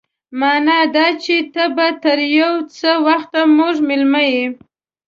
مانا دا چې ته به تر يو څه وخته زموږ مېلمه يې.